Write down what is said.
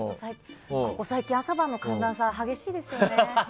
最近、朝晩の寒暖差が激しいですよね。